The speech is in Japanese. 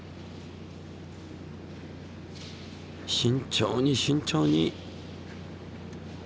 慎重に慎重に。